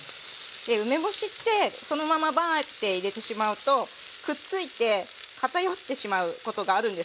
梅干しってそのままバーッて入れてしまうとくっついて片寄ってしまうことがあるんですよ。